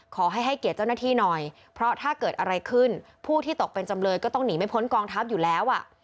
ขอให้ให้เกียรติเจ้าหน้าที่หน่อยเพราะถ้าเกิดอะไรขึ้นผู้ที่ตกเป็นจำเลยก็ต้องหนีไม่พ้นกองทัพอยู่แล้วอ่ะ